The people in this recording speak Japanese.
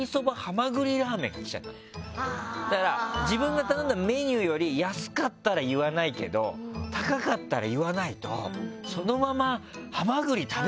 だから自分が頼んだメニューより安かったら言わないけど高かったら言わないとそのまま。